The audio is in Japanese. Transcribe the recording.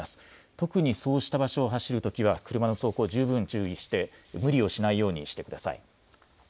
特にそうした場所を走るときは車の走行、十分注意して無理をしないようにしてください。